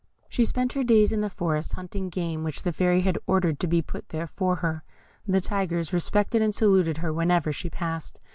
She spent her days in the forest, hunting game, which the Fairy had ordered to be put there for her. The tigers respected and saluted her whenever she passed.